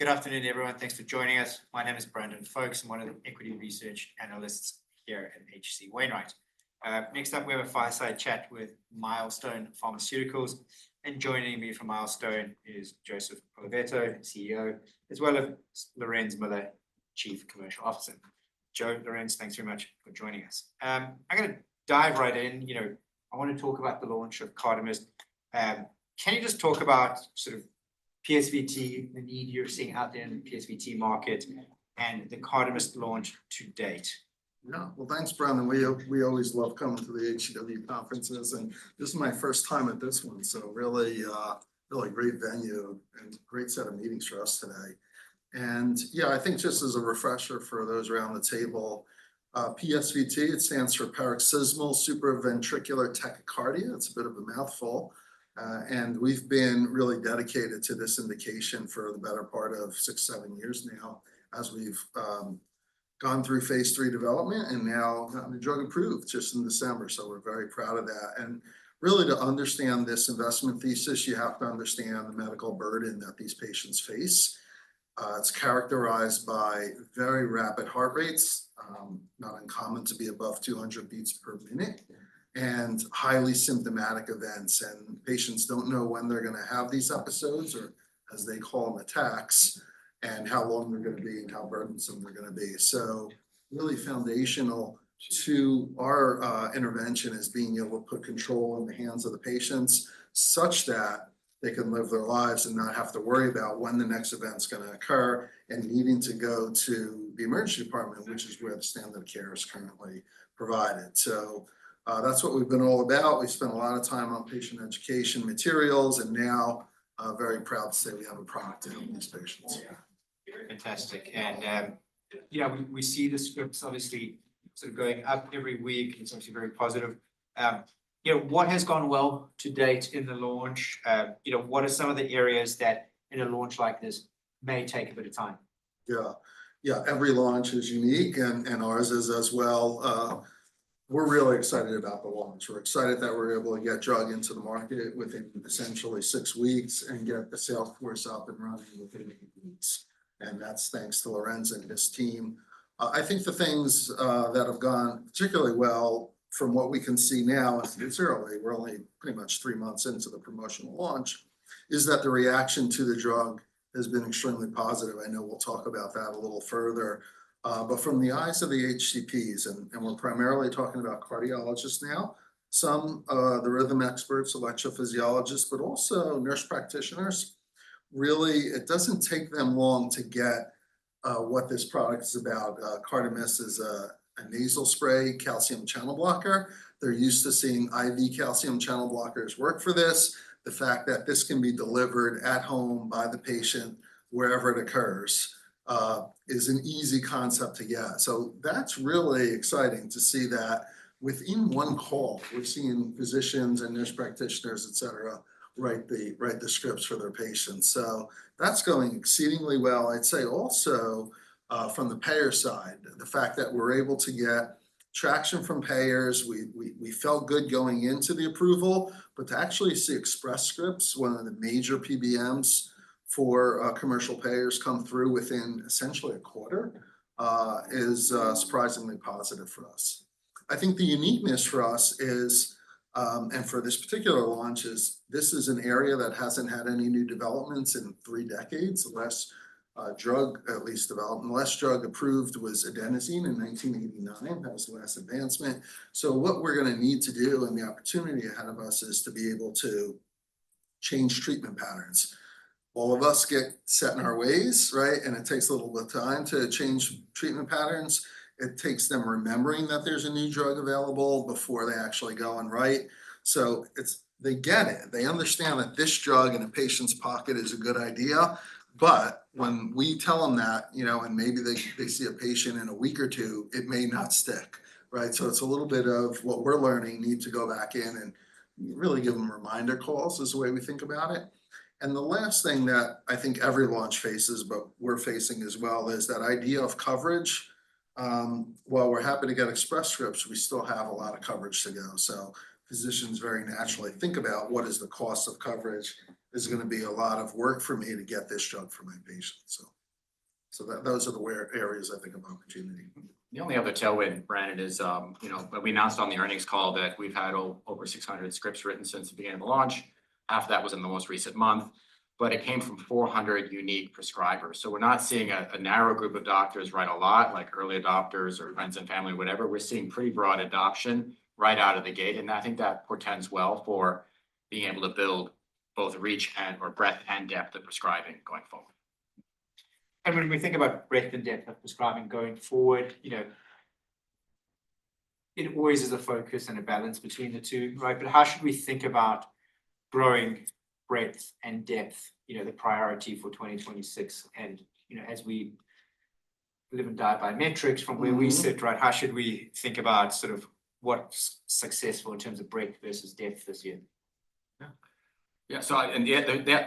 Good afternoon, everyone. Thanks for joining us. My name is Brandon Folkes. I'm one of the equity research analysts here at H.C. Wainwright. Next up we have a fireside chat with Milestone Pharmaceuticals, and joining me from Milestone is Joseph Oliveto, CEO, as well as Lorenz Muller, Chief Commercial Officer. Joe, Lorenz, thanks very much for joining us. I'm gonna dive right in. You know, I wanna talk about the launch of CARDAMYST. Can you just talk about sort of PSVT, the need you're seeing out there in the PSVT market, and the CARDAMYST launch to date? Yeah. Well, thanks, Brandon Folkes. We always love coming to the H.C. Wainwright conferences, this is my first time at this one, so really, really great venue and great set of meetings for us today. Yeah, I think just as a refresher for those around the table, PSVT, it stands for paroxysmal supraventricular tachycardia. It's a bit of a mouthful. We've been really dedicated to this indication for the better part of six, seven years now as we've gone through phase III development, now gotten the drug approved just in December, so we're very proud of that. Really to understand this investment thesis, you have to understand the medical burden that these patients face. It's characterized by very rapid heart rates, not uncommon to be above 200 beats per minute, and highly symptomatic events. Patients don't know when they're gonna have these episodes or, as they call them, attacks, and how long they're gonna be and how burdensome they're gonna be. Really foundational to our intervention is being able to put control in the hands of the patients such that they can live their lives and not have to worry about when the next event's gonna occur and needing to go to the emergency department, which is where the standard of care is currently provided. That's what we've been all about. We've spent a lot of time on patient education materials, and now, very proud to say we have a product to help these patients. Yeah. Fantastic. Yeah, we see the scripts obviously sort of going up every week. It's actually very positive. You know, what has gone well to date in the launch? You know, what are some of the areas that in a launch like this may take a bit of time? Every launch is unique, and ours is as well. We're really excited about the launch. We're excited that we're able to get drug into the market within essentially six weeks and get the sales force up and running within eight weeks, and that's thanks to Lorenz and his team. I think the things that have gone particularly well from what we can see now, and sincerely, we're only pretty much three months into the promotional launch, is that the reaction to the drug has been extremely positive. I know we'll talk about that a little further. From the eyes of the HCPs, and we're primarily talking about cardiologists now, some, the rhythm experts, electrophysiologists, but also nurse practitioners, really, it doesn't take them long to get what this product is about. CARDAMYST is a nasal spray calcium channel blocker. They're used to seeing IV calcium channel blockers work for this. The fact that this can be delivered at home by the patient wherever it occurs, is an easy concept to get. That's really exciting to see that within one call, we've seen physicians and nurse practitioners, et cetera, write the scripts for their patients. That's going exceedingly well. I'd say also, from the payer side, the fact that we're able to get traction from payers, we felt good going into the approval, to actually see Express Scripts, one of the major PBMs for commercial payers come through within essentially a quarter, is surprisingly positive for us. I think the uniqueness for us is, and for this particular launch is this is an area that hasn't had any new developments in three decades. Last drug at least developed and last drug approved was adenosine in 1989. That was the last advancement. What we're gonna need to do and the opportunity ahead of us is to be able to change treatment patterns. All of us get set in our ways, right? It takes a little bit of time to change treatment patterns. It takes them remembering that there's a new drug available before they actually go and write. They get it. They understand that this drug in a patient's pocket is a good idea. When we tell them that, you know, and maybe they see a patient in a week or two, it may not stick, right? It's a little bit of what we're learning need to go back in and really give them reminder calls is the way we think about it. The last thing that I think every launch faces, but we're facing as well, is that idea of coverage. While we're happy to get Express Scripts, we still have a lot of coverage to go. Physicians very naturally think about what is the cost of coverage. It's gonna be a lot of work for me to get this drug for my patients, so. That, those are the where areas I think of opportunity. The only other tailwind, Brandon Folkes, is, you know, that we announced on the earnings call that we've had over 600 scripts written since the beginning of the launch. Half that was in the most recent month, it came from 400 unique prescribers. We're not seeing a narrow group of doctors write a lot, like early adopters or friends and family, whatever. We're seeing pretty broad adoption right out of the gate, I think that portends well for being able to build both reach and or breadth and depth of prescribing going forward. When we think about breadth and depth of prescribing going forward, you know, it always is a focus and a balance between the two, right? How should we think about growing breadth and depth, you know, the priority for 2026 and, you know, as we live and die by metrics from where we sit, right, how should we think about sort of what's successful in terms of breadth versus depth this year? Yeah. Yeah,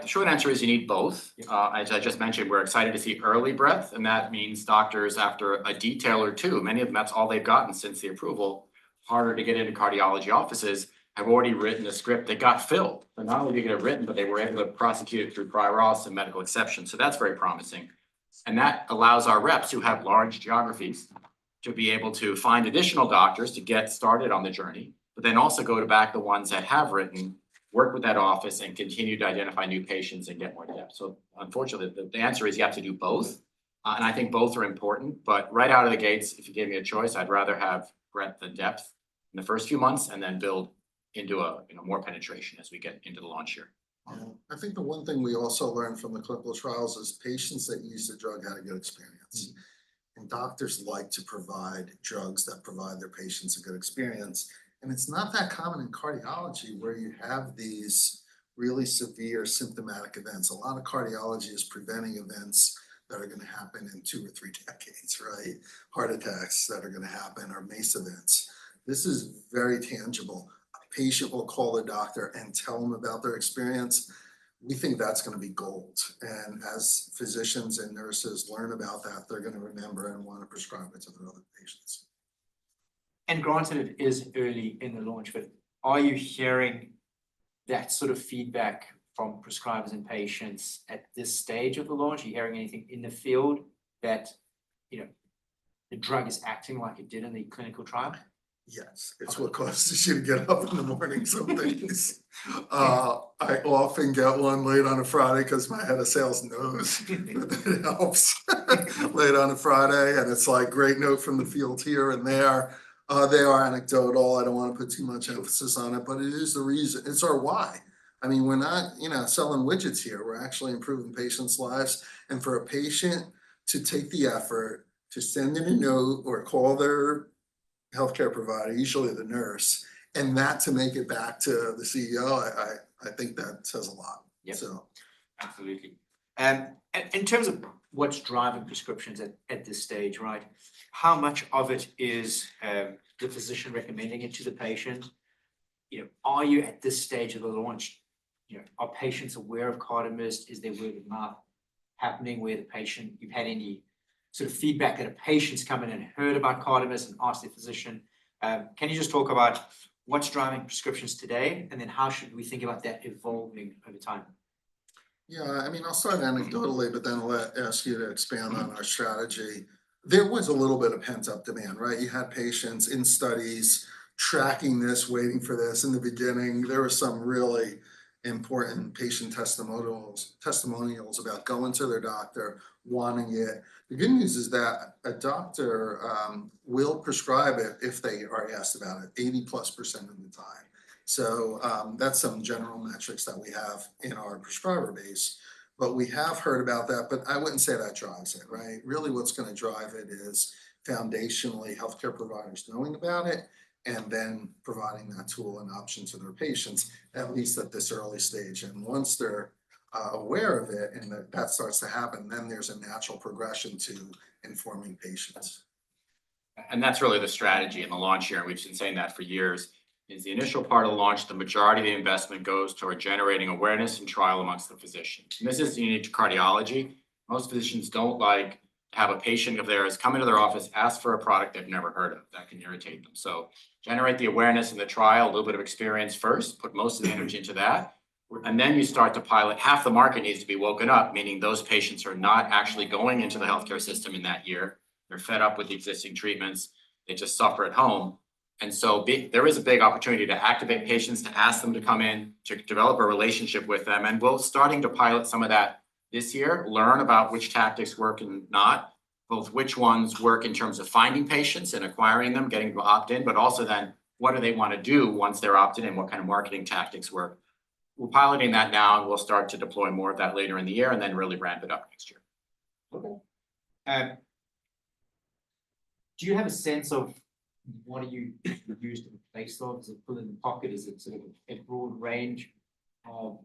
the short answer is you need both. As I just mentioned, we're excited to see early breadth, and that means doctors after a detail or two, many of them that's all they've gotten since the approval, harder to get into cardiology offices, have already written a script that got filled. Not only did they get it written, but they were able to prosecute it through prior auths and medical exceptions, that's very promising. That allows our reps who have large geographies to be able to find additional doctors to get started on the journey, also go to back the ones that have written, work with that office, and continue to identify new patients and get more depth. Unfortunately, the answer is you have to do both, and I think both are important. Right out of the gates, if you gave me a choice, I'd rather have breadth and depth in the first few months, and then build into a, you know, more penetration as we get into the launch year. Mm-hmm. I think the one thing we also learned from the clinical trials is patients that use the drug had a good experience. Doctors like to provide drugs that provide their patients a good experience, and it's not that common in cardiology where you have these really severe symptomatic events. A lot of cardiology is preventing events that are gonna happen in two or three decades, right? Heart attacks that are gonna happen are MACE events. This is very tangible. A patient will call their doctor and tell them about their experience. We think that's gonna be gold, and as physicians and nurses learn about that, they're gonna remember and wanna prescribe it to their other patients. Granted, it is early in the launch, but are you hearing that sort of feedback from prescribers and patients at this stage of the launch? Are you hearing anything in the field that, you know, the drug is acting like it did in the clinical trial? Yes. Okay. It's what causes you to get up in the morning some days. Yeah. I often get one late on a Friday 'cause my head of sales knows that it helps late on a Friday, and it's like, "Great note from the field here and there." They are anecdotal. I don't wanna put too much emphasis on it, but it is the reason It's our why. I mean, we're not, you know, selling widgets here. We're actually improving patients' lives, and for a patient to take the effort to send in a note or call their healthcare provider, usually the nurse, and that to make it back to the CEO, I think that says a lot. Yeah. So. Absolutely. In terms of what's driving prescriptions at this stage, right, how much of it is the physician recommending it to the patient? You know, are you at this stage of the launch, you know, are patients aware of CARDAMYST? Is there word of mouth happening? You've had any sort of feedback that a patient's come in and heard about CARDAMYST and asked their physician? Can you just talk about what's driving prescriptions today, and then how should we think about that evolving over time? I mean, I'll start anecdotally, then I'll let ask you to expand on our strategy. There was a little bit of pent-up demand, right? You had patients in studies tracking this, waiting for this. In the beginning, there were some really important patient testimonials about going to their doctor, wanting it. The good news is that a doctor will prescribe it if they are asked about it 80%-plus of the time. That's some general metrics that we have in our prescriber base. We have heard about that, but I wouldn't say that drives it, right? Really what's gonna drive it is foundationally healthcare providers knowing about it and then providing that tool and option to their patients, at least at this early stage. Once they're aware of it and that starts to happen, then there's a natural progression to informing patients. That's really the strategy in the launch year, and we've been saying that for years, is the initial part of the launch, the majority of the investment goes toward generating awareness and trial amongst the physicians. This is unique to cardiology. Most physicians don't like to have a patient of theirs come into their office, ask for a product they've never heard of. That can irritate them. Generate the awareness and the trial, a little bit of experience first, put most of the energy into that, and then you start to pilot. Half the market needs to be woken up, meaning those patients are not actually going into the healthcare system in that year. They're fed up with the existing treatments. They just suffer at home. There is a big opportunity to activate patients, to ask them to come in, to develop a relationship with them, and we're starting to pilot some of that this year, learn about which tactics work and not, both which ones work in terms of finding patients and acquiring them, getting them to opt in, but also then what do they wanna do once they're opted in, what kind of marketing tactics work. We're piloting that now and we'll start to deploy more of that later in the year and then really ramp it up next year. Do you have a sense of what do you use to replace those? Is it pill in the pocket? Is it sort of a broad range of,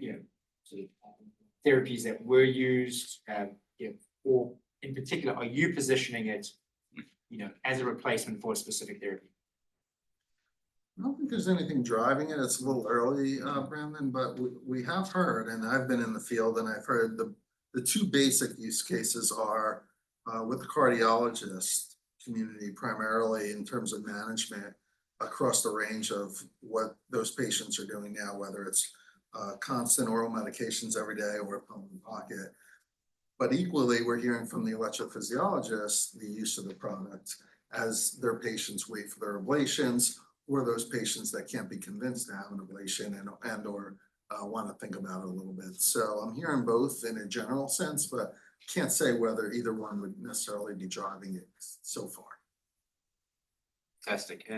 you know, sort of therapies that were used, you know, or in particular, are you positioning it, you know, as a replacement for a specific therapy? I don't think there's anything driving it. It's a little early, Brandon Folkes, but we have heard, and I've been in the field and I've heard the two basic use cases are with the cardiologist community primarily in terms of management across the range of what those patients are doing now, whether it's constant oral medications every day or a pill in the pocket. Equally, we're hearing from the electrophysiologists the use of the product as their patients wait for their ablations or those patients that can't be convinced to have an ablation and/or wanna think about it a little bit. I'm hearing both in a general sense, but can't say whether either one would necessarily be driving it so far. Fantastic.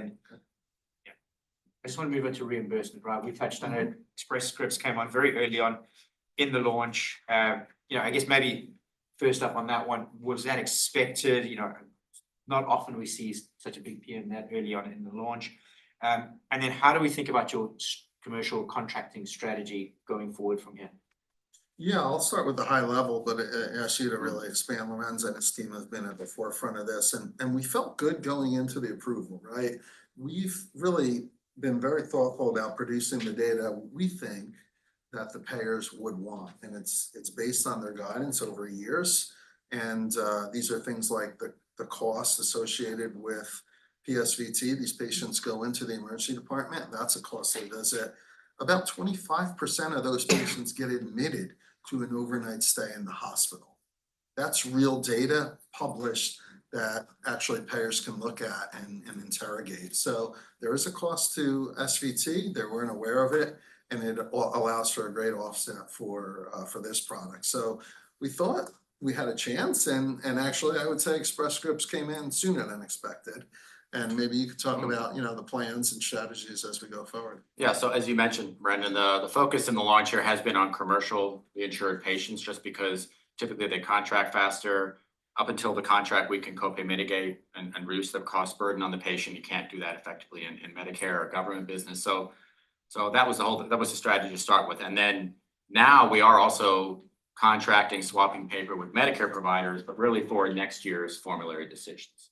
Yeah, I just wanna move into reimbursement, right? We touched on it. Yeah. Express Scripts came on very early on in the launch. You know, I guess maybe first up on that one, was that expected? You know, not often we see such a big PBM that early on in the launch. How do we think about your commercial contracting strategy going forward from here? Yeah. I'll start with the high level, but ask you to really expand. Yeah. Lorenz and his team have been at the forefront of this, and we felt good going into the approval, right? We've really been very thoughtful about producing the data we think that the payers would want, and it's based on their guidance over years. These are things like the cost associated with PSVT. These patients go into the emergency department, that's a costly visit. About 25% of those patients get admitted to an overnight stay in the hospital. That's real data published that actually payers can look at and interrogate. There is a cost to SVT. They weren't aware of it, and it allows for a great offset for this product. We thought we had a chance, and actually I would say Express Scripts came in sooner than expected. Maybe you could talk about- You know, the plans and strategies as we go forward. Yeah. As you mentioned, Brandon Folkes, the focus in the launch here has been on commercial insured patients just because typically they contract faster. Up until the contract, we can co-pay mitigate and reduce the cost burden on the patient. You can't do that effectively in Medicare or government business. That was the strategy to start with. Now we are also contracting, swapping paper with Medicare providers, but really for next year's formulary decisions.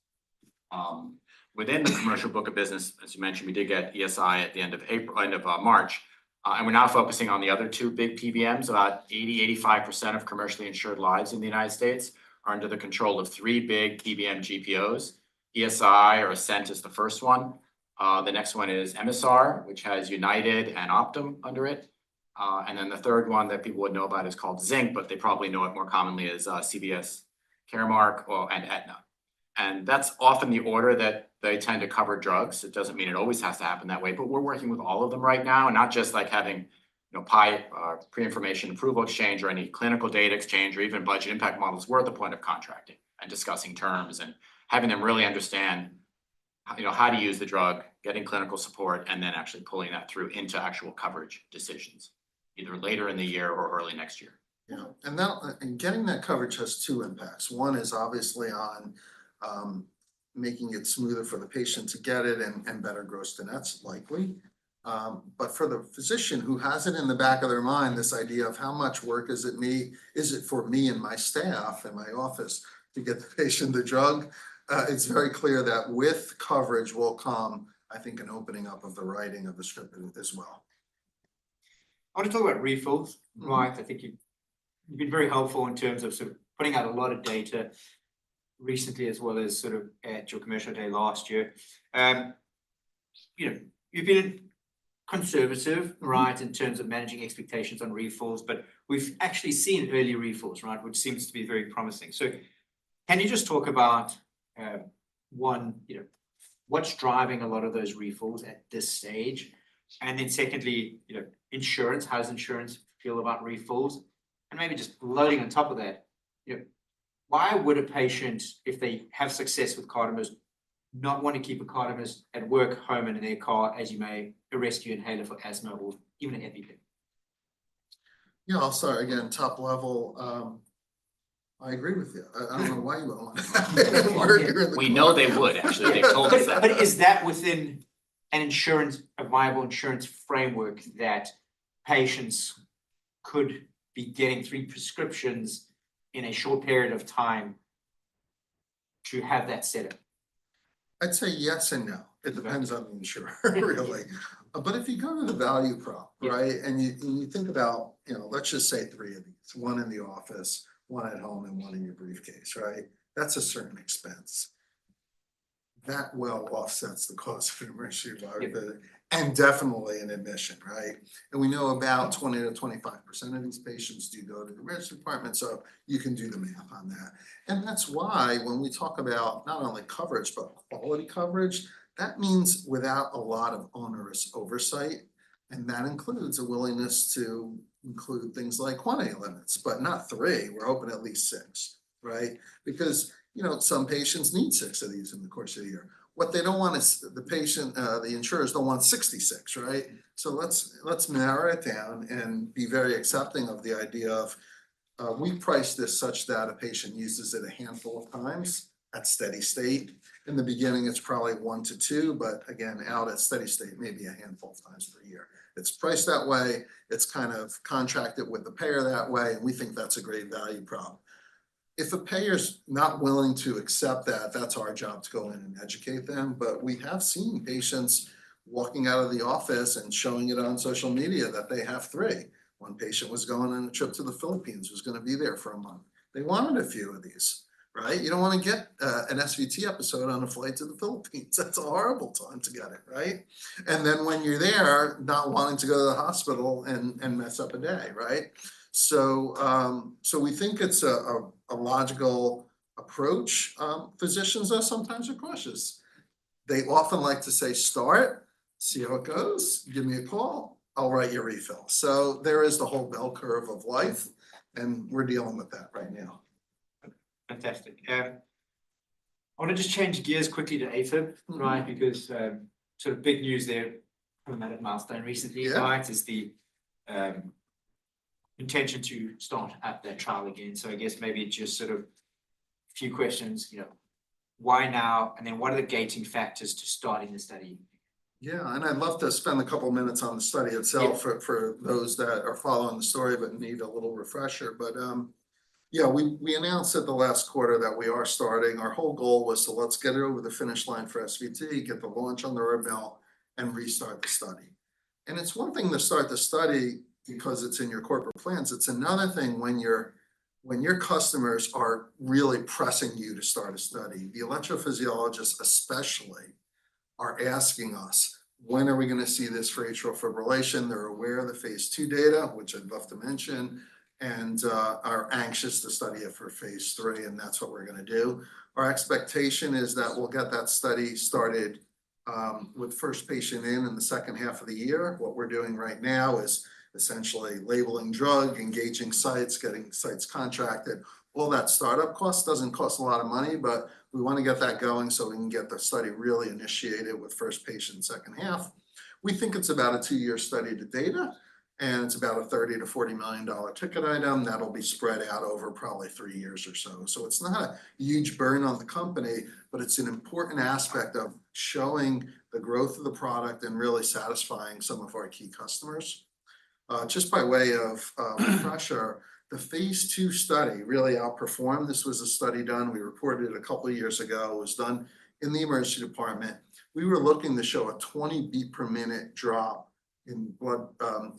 Within the commercial book of business, as you mentioned, we did get ESI at the end of March. We're now focusing on the other two big PBMs. About 80%, 85% of commercially insured lives in the U.S. are under the control of three big PBM GPOs. ESI or Ascent is the first one. The next one is MSR, which has United and Optum under it. The third one that people would know about is called Zinc, but they probably know it more commonly as CVS Caremark or, and Aetna. That's often the order that they tend to cover drugs. It doesn't mean it always has to happen that way, but we're working with all of them right now. Not just like having, you know, Pre-Approval Information Exchange or any clinical data exchange or even budget impact models. We're at the point of contracting and discussing terms and having them really understand, you know, how to use the drug, getting clinical support, and then actually pulling that through into actual coverage decisions either later in the year or early next year. Yeah. Getting that coverage has two impacts. One is obviously on making it smoother for the patient to get it and better gross-to-net likely. For the physician who has it in the back of their mind, this idea of how much work is it for me and my staff and my office to get the patient the drug, it's very clear that with coverage will come, I think, an opening up of the writing of the script as well. I want to talk about refills. Right? I think you've been very helpful in terms of sort of putting out a lot of data recently as well as sort of at your commercial day last year. You know, you've been conservative, right, in terms of managing expectations on refills, but we've actually seen early refills, right, which seems to be very promising. Can you just talk about 1, you know, what's driving a lot of those refills at this stage? Secondly, you know, insurance, how does insurance feel about refills? Maybe just loading on top of that, you know, why would a patient, if they have success with CARDAMYST, not want to keep a CARDAMYST at work, home, and in their car, as you may a rescue inhaler for asthma or even an EpiPen? Yeah. I'll start again, top level, I agree with you. I don't know why you would want it in the car. We know they would actually. They told us that. Is that within an insurance, a viable insurance framework that patients could be getting 3 prescriptions in a short period of time to have that set up? I'd say yes and no. Okay. It depends on the insurer really. If you go to the value prop, right. Yeah You think about, you know, let's just say three of these, one in the office, one at home, and one in your briefcase, right? That's a certain expense. That well offsets the cost of emergency room visit. Yeah. Definitely an admission, right? We know about 20% to 25% of these patients do go to the emergency department. You can do the math on that. That's why when we talk about not only coverage, but quality coverage, that means without a lot of onerous oversight, and that includes a willingness to include things like quantity limits, but not three. We're hoping at least six, right? You know, some patients need six of these in the course of a year. What they don't want is the patient, the insurers don't want 66, right? Let's narrow it down and be very accepting of the idea of, we price this such that a patient uses it a handful of times at steady state. In the beginning, it's probably one to two. Again, out at steady state, maybe a handful of times per year. It's priced that way. It's kind of contracted with the payer that way. We think that's a great value prop. If a payer's not willing to accept that's our job to go in and educate them. We have seen patients walking out of the office and showing it on social media that they have three. One patient was going on a trip to the Philippines, was gonna be there for a month. They wanted a few of these, right? You don't want to get an SVT episode on a flight to the Philippines. That's a horrible time to get it, right? When you're there, not wanting to go to the hospital and mess up a day, right? We think it's a logical approach. Physicians are sometimes cautious. They often like to say, "Start, see how it goes. Give me a call. I'll write you a refill." There is the whole bell curve of life, and we're dealing with that right now. Fantastic. I want to just change gears quickly to AFib. Right? sort of big news there from that Milestone recently. Yeah. Right? Is the intention to start up that trial again? I guess maybe just sort of a few questions. You know, why now? What are the gating factors to starting the study? Yeah, I'd love to spend a couple minutes on the study itself. Yeah For those that are following the story, but need a little refresher. Yeah, we announced at the last quarter that we are starting. Our whole goal was to let's get it over the finish line for SVT, get the launch under our belt, and restart the study. It's one thing to start the study because it's in your corporate plans. It's another thing when your customers are really pressing you to start a study. The electrophysiologists especially are asking us when are we gonna see this for atrial fibrillation. They're aware of the phase II data, which I'd love to mention, are anxious to study it for phase III, and that's what we're gonna do. Our expectation is that we'll get that study started with first patient in the second half of the year. What we're doing right now is essentially labeling drug, engaging sites, getting sites contracted. All that startup cost doesn't cost a lot of money, but we wanna get that going so we can get the study really initiated with first patient second half. We think it's about a two-year study to data, and it's about a $30 million-$40 million ticket item that'll be spread out over probably three years or so. It's not a huge burn on the company, but it's an important aspect of showing the growth of the product and really satisfying some of our key customers. Just by way of pressure, the phase II study really outperformed. This was a study done, we reported 2 years ago, it was done in the emergency department. We were looking to show a 20 beat per minute drop in blood,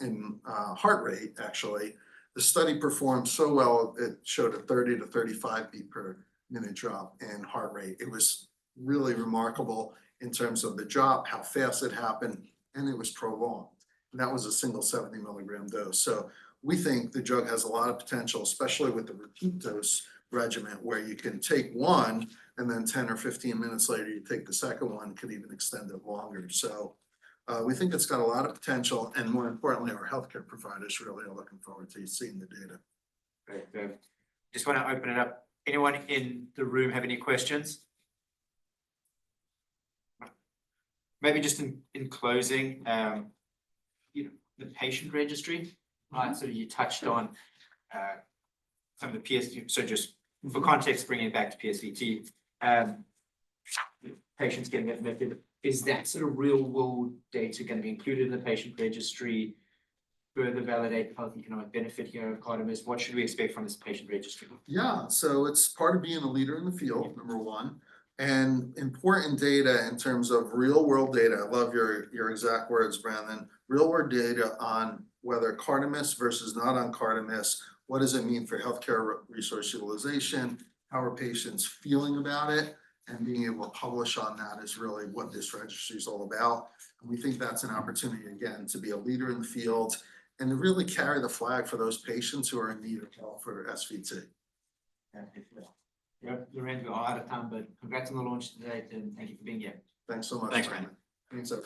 in heart rate, actually. The study performed so well, it showed a 30-35 beat per minute drop in heart rate. It was really remarkable in terms of the drop, how fast it happened, and it was prolonged. That was a single 70-milligram dose. We think the drug has a lot of potential, especially with the repeat dose regimen where you can take one, and then 10 or 15 minutes later, you take the second one, could even extend it longer. We think it's got a lot of potential, and more importantly, our healthcare providers really are looking forward to seeing the data. Great. Just wanna open it up. Anyone in the room have any questions? Just in closing, you know, the patient registry, right? You touched on some of the PSVT. Just for context, bringing it back to PSVT, patients getting admitted. Is that sort of real world data going to be included in the patient registry, further validate the health economic benefit here of CARDAMYST? What should we expect from this patient registry? Yeah. It's part of being a leader in the field. Yeah number one, and important data in terms of real world data. I love your exact words, Brandon. Real world data on whether CARDAMYST versus not on CARDAMYST, what does it mean for healthcare resource utilization, how are patients feeling about it? Being able to publish on that is really what this registry is all about. We think that's an opportunity, again, to be a leader in the field and to really carry the flag for those patients who are in need of help for their SVT. Yeah. Definitely. Yep. We're running a bit out of time. Congrats on the launch today, team, thank you for being here. Thanks so much, Brandon Folkes. Thanks, Brandon. Thanks, everyone.